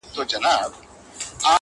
ه ياره تا زما شعر لوسته زه دي لــوســتم.